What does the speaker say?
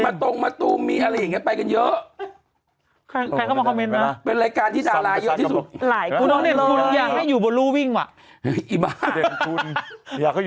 โอ้ปอดแล้วตัวแกจะปอดแหละ